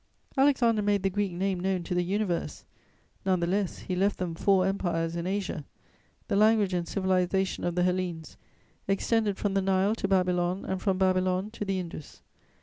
Alexander made the Greek name known to the universe; none the less he left them four empires in Asia; the language and civilization of the Hellenes extended from the Nile to Babylon and from Babylon to the Indus.